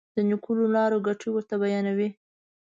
د نېکو لارو ګټې ورته بیانوي.